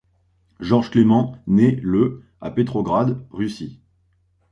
Georges Clément naît le à Petrograd, Russie.